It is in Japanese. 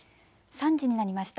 ３時になりました。